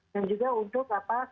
dan juga untuk apa